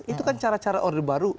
itu kan cara cara order baru